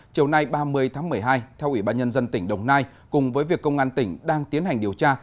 chiều nay ba mươi tháng một mươi hai theo ủy ban nhân dân tỉnh đồng nai cùng với việc công an tỉnh đang tiến hành điều tra